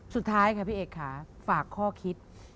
สุดท้ายค่ะพี่เอกค่ะฝากข้อคิด